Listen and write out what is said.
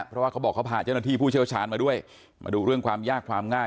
เพราะว่าเขาบอกเขาพาเจ้าหน้าที่ผู้เชี่ยวชาญมาด้วยมาดูเรื่องความยากความง่าย